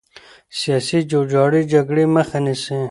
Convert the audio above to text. سیاسي جوړجاړی جګړې مخه نیسي